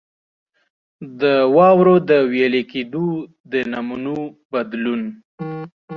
د واورو د وېلې کېدو د نمونو بدلون.